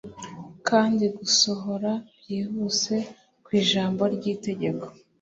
kandi gusohora byihuse, ku ijambo ry'itegeko